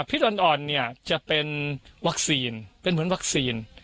อ่อนเนี่ยจะเป็นวัคซีนเป็นเหมือนวัคซีน